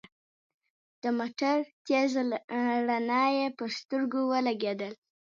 د موټر تېزه رڼا يې پر سترګو ولګېده.